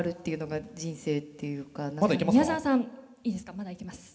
まだいけますか？